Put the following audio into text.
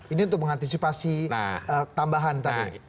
ini untuk mengantisipasi tambahan tadi